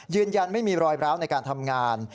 ยืนยันไม่มีรอยร้าวในการทำงาน